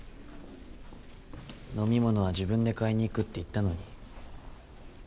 飲み物は自分で買いにいくって言ったのに。